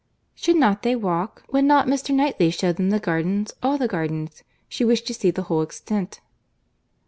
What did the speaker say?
—"Should not they walk? Would not Mr. Knightley shew them the gardens—all the gardens?—She wished to see the whole extent."